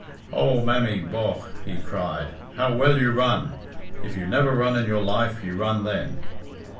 "Oh, mammy, bogh," he cried, "how well you run! If you never run in your life you run then."